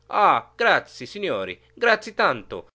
Ah, grazie! Signori, grazie tanto!